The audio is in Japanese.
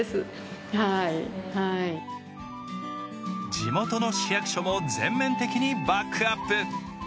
地元の市役所も全面的にバックアップ。